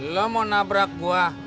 lo mau nabrak gua